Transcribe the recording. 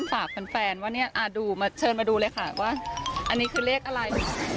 ฝากแฟนว่าเนี่ยเชิญมาดูเลยค่ะว่าอันนี้คือเลขอะไร